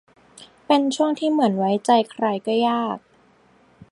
เป็นช่วงที่เหมือนไว้ใจใครก็ยาก